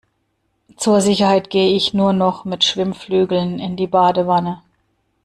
Zur Sicherheit gehe ich nur noch mit Schwimmflügeln in die Badewanne.